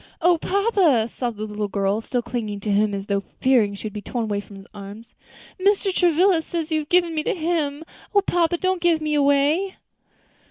"O papa!" sobbed the little girl, still clinging to him as though fearing she should be torn from his arms, "Mr. Travilla says you have given me to him. O papa! don't give me away."